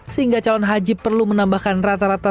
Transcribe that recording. sehingga calon haji perlu menambahkan rata rata